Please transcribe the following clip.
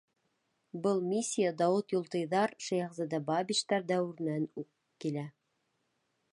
Был миссия Дауыт Юлтыйҙар, Шәйехзада Бабичтар дәүеренән үк килә.